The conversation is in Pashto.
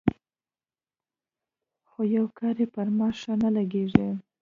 خو يو کار يې پر ما ښه نه لګېږي.